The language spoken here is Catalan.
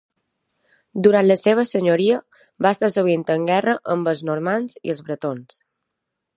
Durant la seva senyoria, va estar sovint en guerra amb els normands i els bretons.